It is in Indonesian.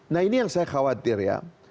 nah ini yang saya khawatir ya